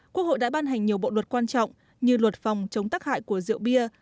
quốc hội đã ban hành nhiều bộ luật quan trọng như luật phòng chống tắc hại của rượu bia